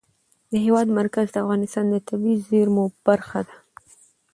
د هېواد مرکز د افغانستان د طبیعي زیرمو برخه ده.